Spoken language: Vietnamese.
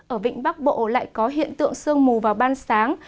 ở vịnh bắc bộ lại có hiện tượng sương mù vào ban sáng